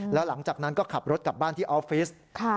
แล้วหลังจากนั้นก็ขับรถกลับบ้านที่ออฟฟิศ